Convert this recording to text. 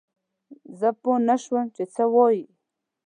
زه پوه نه شوم چې څه وايي؟